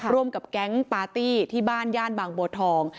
ร่วมกับแก๊งปาร์ตี้ที่บ้านย่านบางบัวทอง